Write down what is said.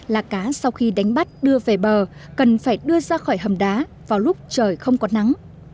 là cá sau khi đánh bắt đưa về bờ cần phải đưa ra khỏi hầm đá vào lúc trời không có nắng